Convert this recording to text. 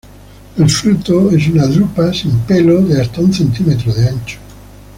El fruto es una drupa sin pelo de hasta un centímetro de ancho.